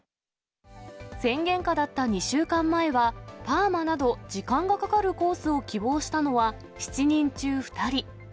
宣言下だった２週間前は、パーマなど時間がかかるコースを希望したのは、７人中２人。